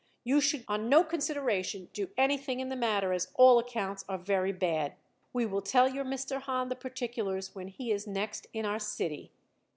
You should on no consideration do anything in the matter as all accounts are very bad. We will tell your Mr. Hahn the particulars when he is next in our city.